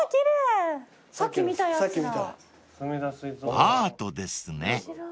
［アートですね］